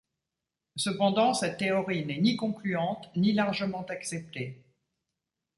Cependant, cette théorie n'est ni concluante ni largement acceptée.